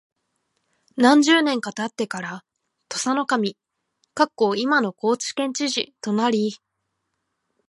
何十年か経ってから土佐守（いまの高知県知事）となり、